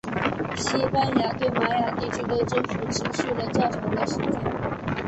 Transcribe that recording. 西班牙对玛雅地区的征服持续了较长的时间。